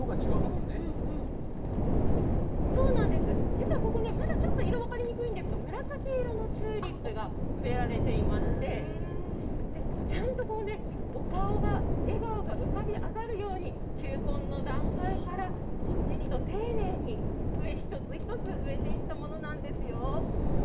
実はここ、まだちょっと色が分かりにくいんですが、紫色のチューリップが植えられていまして、ちゃんとこうね、お顔が、笑顔が浮かび上がるように、球根の段階からきっちりと丁寧に、一つ一つ植えていったものなんですよ。